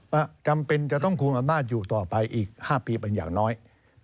จำเป็นจะต้องคุมอำนาจอยู่ต่อไปอีก๕ปีเป็นอย่างน้อย